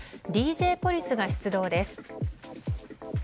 ＤＪポリスが出動です。